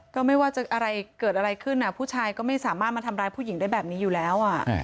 ก็ไม่ว่าจะอะไรเกิดอะไรขึ้นผู้ชายก็ไม่สามารถมาทำร้ายผู้หญิงได้แบบนี้อยู่แล้ว